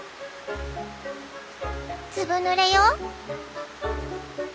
「ずぶぬれよ！」。